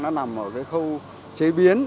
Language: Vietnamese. nó nằm ở cái khâu chế biến